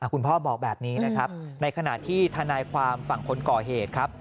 พ่อบอกแบบนี้นะครับในขณะที่ทนายความฝั่งคนก่อเหตุครับ